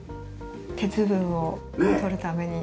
鉄分を取るために。